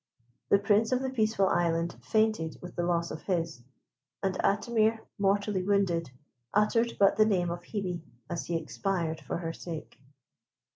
The Prince of the Peaceful Island fainted with the loss of his; and Atimir, mortally wounded, uttered but the name of Hebe as he expired for her sake.